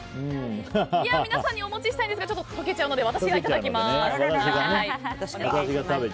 皆さんにお持ちしたいですが解けちゃうので私がいただきます！